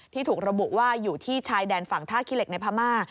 ถูกระบุว่าอยู่ที่ชายแดนฝั่งท่าขี้เหล็กในพม่า